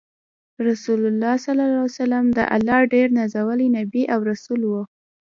رسول الله ص د الله ډیر نازولی نبی او رسول وو۔